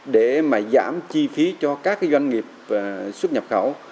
để mà giảm chi phí cho các doanh nghiệp xuất nhập khẩu